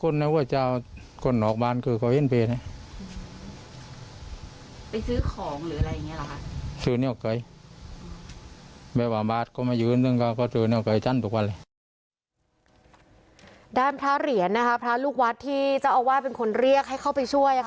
ด้านพระเหรียญนะคะพระลูกวัดที่เจ้าอาวาสเป็นคนเรียกให้เข้าไปช่วย